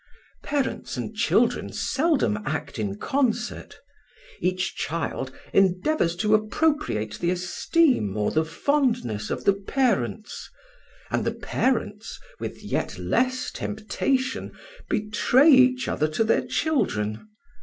"Parents and children seldom act in concert; each child endeavours to appropriate the esteem or the fondness of the parents; and the parents, with yet less temptation, betray each other to their children.